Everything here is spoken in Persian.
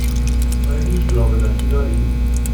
آیا هیچ جوراب نخی دارید؟